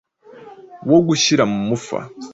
wo gushyira mu mufa,